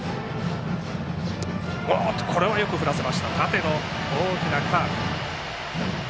よく振らせました縦の大きなカーブ。